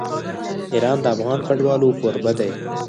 ایران د افغان کډوالو کوربه دی.